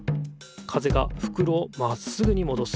風がふくろをまっすぐにもどす。